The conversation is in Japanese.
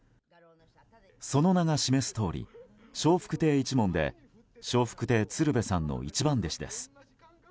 その名が示すとおり笑福亭一門で笑福亭鶴瓶さんの一番弟子です。